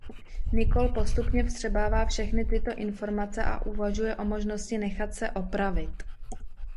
Nicole postupně vstřebává všechny tyto informace a uvažuje o možnosti nechat se „opravit“.